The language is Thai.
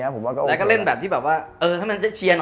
และให้เป็นแบบที่เชียร์